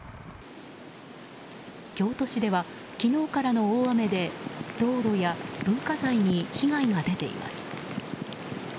京都市では、昨日からの大雨で道路や文化財に被害が出ています。